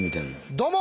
・どうも！